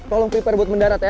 tolong siap siap mendarat ya